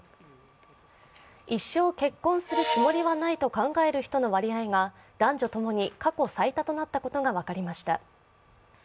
一生結婚するつもりはないと考える人の割合が男女ともに過去最多となったことが分かりました。